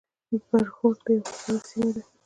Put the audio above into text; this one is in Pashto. برښور یوه سړه سیمه ده